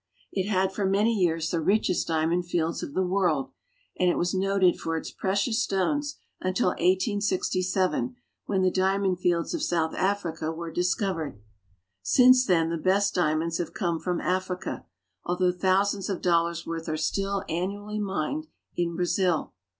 It had for many years the richest diamond fields of the world, and it was noted for its precious stones until 1867, when the diamond fields of South Africa were dis covered. Since then the best diamonds have come from Africa, although thousands of dollars' worth are still annu ally mined in Brazil.